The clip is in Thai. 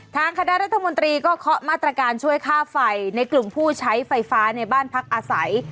คณะรัฐมนตรีก็เคาะมาตรการช่วยค่าไฟในกลุ่มผู้ใช้ไฟฟ้าในบ้านพักอาศัย